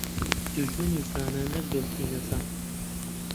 دوژمنی زانا، نەک دۆستی نەزان.